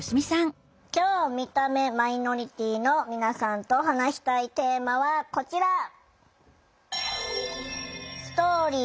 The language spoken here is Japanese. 今日見た目マイノリティーの皆さんと話したいテーマはこちら。